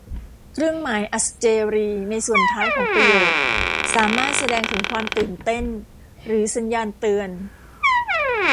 เครื่องหมายอัศเจรีย์ในส่วนท้ายของประโยคสามารถแสดงถึงความตื่นเต้น หรือสัญญาณเตือน